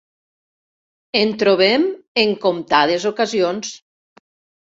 En trobem en comptades ocasions.